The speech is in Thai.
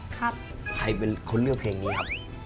ใครเป็นคนเลือกเพลงนี้ครับ